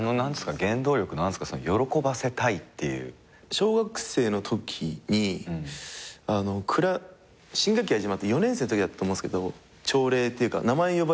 小学生のときに新学期始まって４年生のときだったと思うんすけど朝礼っていうか名前呼ばれるじゃないですか。